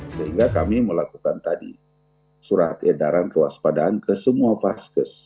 sehingga kami melakukan tadi surat edaran kewaspadaan ke semua vaskes